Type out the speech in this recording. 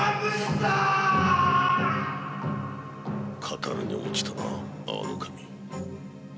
語るに落ちたな安房守。